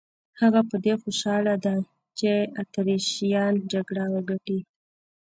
هغه په دې خوشاله دی چې اتریشیان جګړه وګټي.